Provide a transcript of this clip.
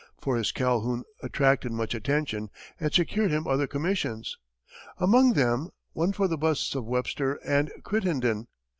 For his Calhoun attracted much attention and secured him other commissions among them, one for the busts of Webster and Crittenden.